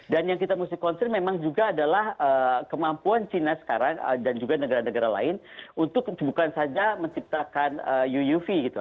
yang kita mesti concern memang juga adalah kemampuan china sekarang dan juga negara negara lain untuk bukan saja menciptakan uuv gitu